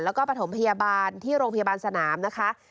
แล้วก็ประถมพยาบาลที่โรงพยาบาลสนามนะคะ